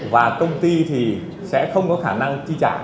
và công ty thì sẽ không có khả năng chi trả